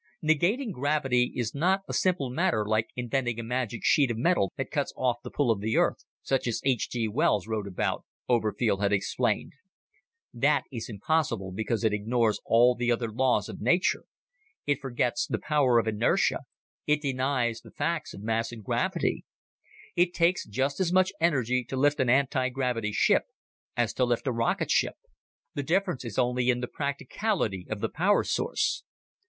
"Negating gravity is not a simple matter like inventing a magic sheet of metal that cuts off the pull of the Earth, such as H. G. Wells wrote about," Oberfield had explained. "That is impossible because it ignores all the other laws of nature; it forgets the power of inertia, it denies the facts of mass and density. It takes just as much energy to lift an anti gravity ship as to lift a rocketship. The difference is only in the practicality of the power source.